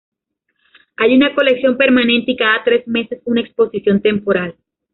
Hay una colección permanente y cada tres meses una exposición temporal.